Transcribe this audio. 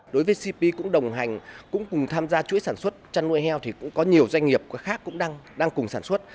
đối với cp cũng đồng hành cũng cùng tham gia chuỗi sản xuất chăn nuôi heo thì cũng có nhiều doanh nghiệp khác cũng đang cùng sản xuất